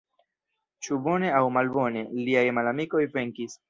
Ĉu bone aŭ malbone, liaj malamikoj venkis.